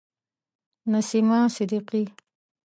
نسیمه صدیقی